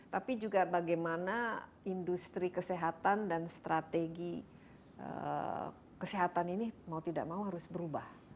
tapi juga bagaimana industri kesehatan dan strategi kesehatan ini mau tidak mau harus berubah